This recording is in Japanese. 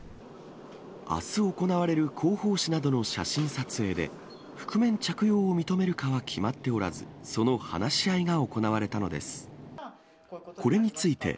あす行われる広報誌などの写真撮影で、覆面着用を認めるかは決まっておらず、その話し合いが行われたのです。